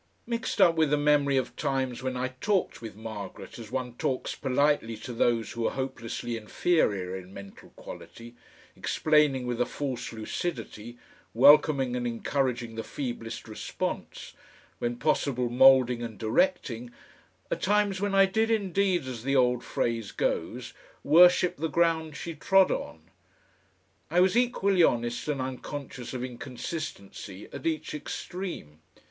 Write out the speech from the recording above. Mixed up with the memory of times when I talked with Margaret as one talks politely to those who are hopelessly inferior in mental quality, explaining with a false lucidity, welcoming and encouraging the feeblest response, when possible moulding and directing, are times when I did indeed, as the old phrase goes, worship the ground she trod on. I was equally honest and unconscious of inconsistency at each extreme.